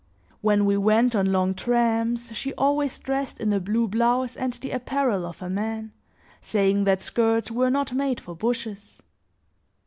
When we went on long tramps, she always dressed in a blue blouse and the apparel of a man, saying that skirts were not made for bushes.